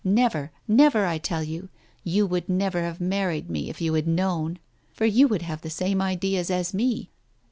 Never, never, I tell you. You would never have married me, if you had known, for you have the same ideas as me.